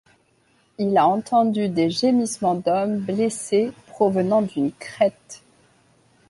Il a entendu des gémissements d'hommes blessés provenant d'une crête.